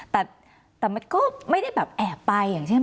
แต่มันก็ไม่ได้แบบแอบไปอย่างใช่ไหม